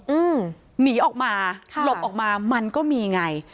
อืมหนีออกมาค่ะหลบออกมามันก็มีไง